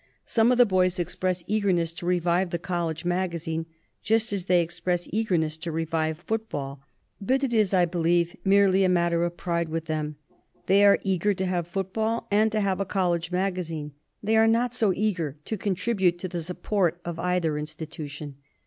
Some of the boys express eagerness to revive the college magazine, just as they express eagerness to revive football. But it is, I believe, merely a matter of pride with them. They are eager to have foot ball and to have a college magazine; they are not so eager to contribute to the support of either institution.